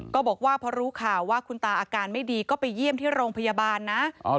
ก็บอกว่าพอรู้ข่าวว่าคุณตาอาการไม่ดีก็ไปเยี่ยมที่โรงพยาบาลนะ